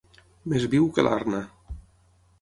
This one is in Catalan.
Més viu que l'arna.